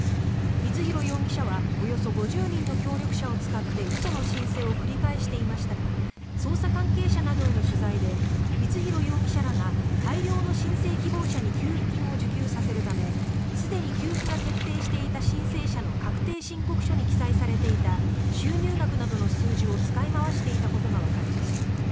光弘容疑者はおよそ５０人の協力者を使って嘘の申請を繰り返していましたが捜査関係者などへの取材で光弘容疑者らが大量の申請希望者に給付金を受給させるためすでに給付が決定していた申請者の確定申告書に記載されていた収入額などの数字を使い回していたことがわかりました。